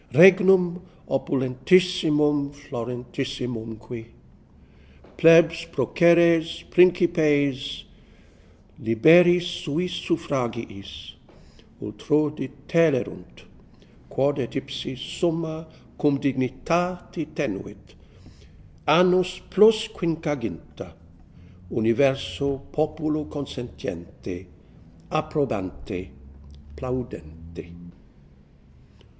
Regnum opulentissimum fl.orentissimum.que Plebs, proceres, principes, Liberia suis suffragiis Ultr6 detulerunt, Quod et ipse summa cum dignitate tenuit, Annos plus quinquaginta, Universe populo consentiente, approbante, plaudente.